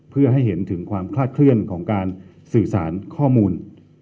เพื่อให้เห็นถึงความคลาดเคลื่อนของการสื่อสารข้อมูล